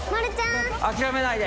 諦めないで。